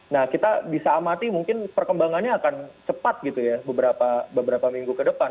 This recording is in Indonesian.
nah kita bisa amati mungkin perkembangannya akan cepat gitu ya beberapa minggu ke depan